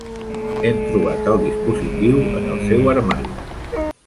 Hem trobat el dispositiu en el seu armari.